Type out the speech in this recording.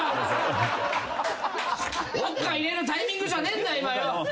ウオッカ入れるタイミングじゃねえんだ今よ。